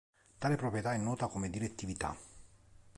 Tale proprietà è nota come direttività.